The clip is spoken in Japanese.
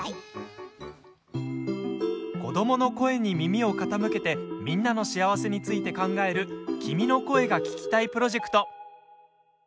子どもの声に耳を傾けてみんなの幸せについて考える「君の声が聴きたい」プロジェクト。